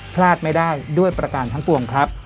พลาดไม่ได้ด้วยประการทั้งปวงครับ